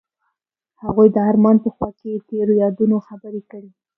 هغوی د آرمان په خوا کې تیرو یادونو خبرې کړې.